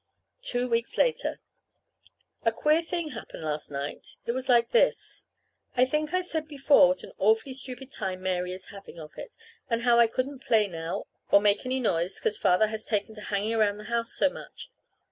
Two weeks later. A queer thing happened last night. It was like this: I think I said before what an awfully stupid time Mary is having of it, and how I couldn't play now, or make any noise, 'cause Father has taken to hanging around the house so much.